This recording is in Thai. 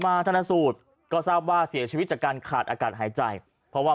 ธนสูตรก็ทราบว่าเสียชีวิตจากการขาดอากาศหายใจเพราะว่า